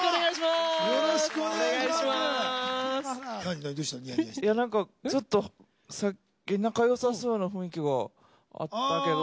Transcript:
いやなんかちょっとさっき仲よさそうな雰囲気があったけど。